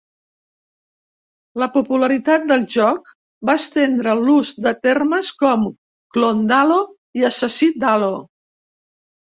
La popularitat del joc va estendre l'ús de termes com "clon d'Halo" i "assassí d'Halo".